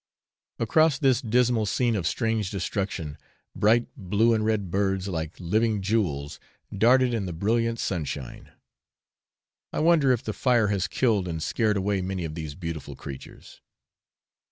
Across this dismal scene of strange destruction, bright blue and red birds, like living jewels, darted in the brilliant sunshine. I wonder if the fire has killed and scared away many of these beautiful creatures.